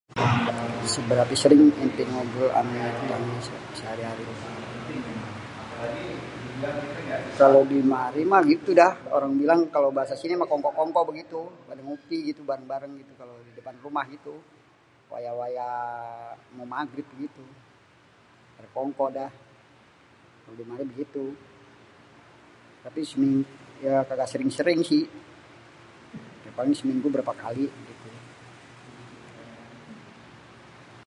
Sebérapé sering ente ngobrol amé tetanggé sehari-hari? Kalo di mari mah, gitu dah kalo orang bilang bahasa sini kongko-kongko begitu padé ngopi gitu bareng-bareng gitu kalo di depan rumah gitu. Wayah-wayah mau Magrib gitu padé kongko dah kalo di mari begitu, tapi kagak sering-sering sih, ya paling seminggu berapa kali gitu.